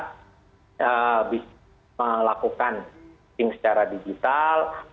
jadi kita bisa melakukan testing secara digital